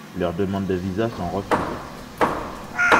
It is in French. Leurs demandes de visa sont refusées.